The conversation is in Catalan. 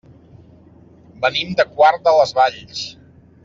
Venim de Quart de les Valls.